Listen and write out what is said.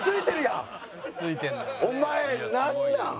お前なんなん？